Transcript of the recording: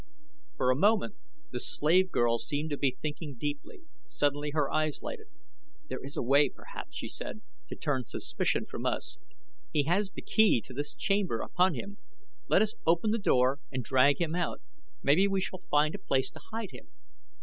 For a moment the slave girl seemed to be thinking deeply. Suddenly her eyes lighted. "There is a way, perhaps," she said, "to turn suspicion from us. He has the key to this chamber upon him. Let us open the door and drag him out maybe we shall find a place to hide him."